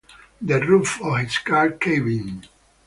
The roof of his car caved in.